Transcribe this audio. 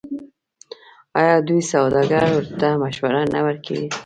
آیا دوی سوداګرو ته مشورې نه ورکوي؟